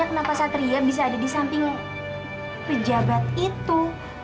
aku kan mau nanya kenapa satria bisa ada di samping pejabat itu